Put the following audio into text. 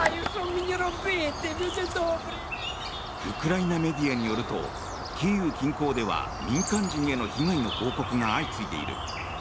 ウクライナメディアによるとキーウ近郊では民間人への被害の報告が相次いでいる。